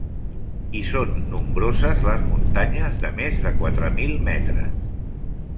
Hi són nombroses les muntanyes de més de quatre mil metres.